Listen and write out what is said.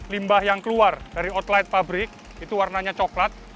limbah yang keluar dari outlet pabrik itu warnanya coklat